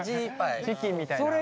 チキンみたいな。